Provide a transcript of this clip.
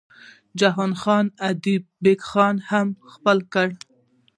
جهان خان ادینه بېګ خان هم خپه کړ.